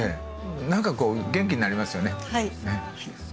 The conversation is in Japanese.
何かこう元気になりますよね。